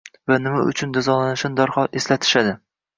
va nima uchun jazolanishini darhol eslatishadi.